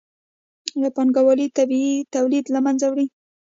پانګوالۍ طبیعي تولید له منځه یووړ.